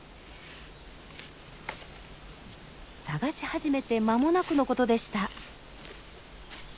探し始めてまもなくの事でした。